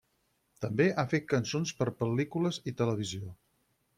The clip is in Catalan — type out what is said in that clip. També ha fet cançons per pel·lícules i televisió.